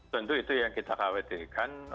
tentu itu yang kita khawatirkan